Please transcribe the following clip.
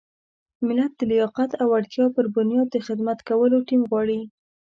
ملت د لیاقت او وړتیا پر بنیاد د خدمت کولو ټیم غواړي.